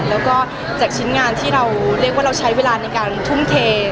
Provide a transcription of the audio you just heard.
แล้วก็จากชนิดงานที่เราใช้เวลาในการทุ่มเท